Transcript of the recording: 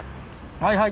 はいはい。